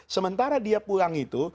sementara dia pulang itu